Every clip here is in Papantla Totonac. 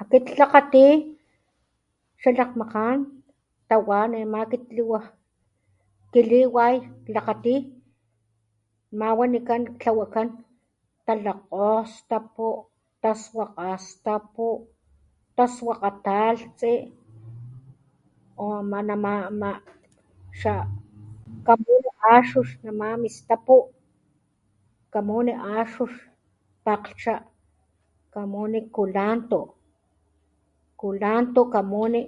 Akit klakati xa lak makán tawá ne ma akit liwa kiliway klakati, namá wanikán tlawakan talkgostapu, tasuaka stapu, tasuaka talhtsi, o wana amá xa kamuni axux na mi stapu, kamuni axux, pakglhcha, kamuni kulantu, kulantu kamuni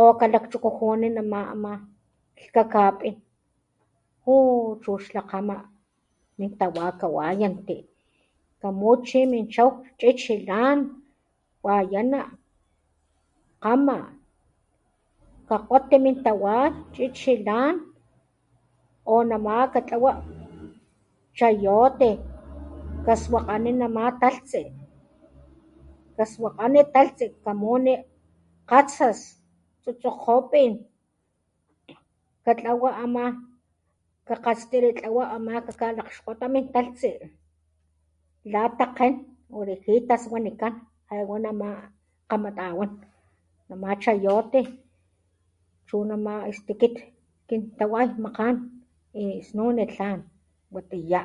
o kalakchukujuni namá lhkaka pin, juu chu xlá kama min tawá kawayanti kamut chi min chau lan wayana, kama kakgotti min tawá chichi lan o namá katlawa chayote, kasuakani namá taltsi, kasuakani taltsi kamuni, katsas , tsotsokopin, katlawa, kakatstiritlawa amá kakalakgoxta min taltsi la takgen orejjitas wanikán wanamá kama tawán namá chayote, chuna má kin tawáy makgán, snuni tlan, watiyá.